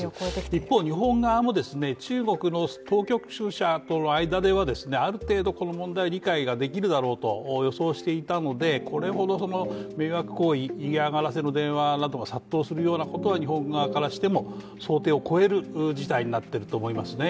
一方、日本側も中国の当局者との間では、ある程度、この問題が理解できると予想していたのでこれほど迷惑行為、嫌がらせの電話が殺到することは日本側からしても想定を超える事態になっていると思いますね。